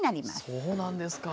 そうなんですか。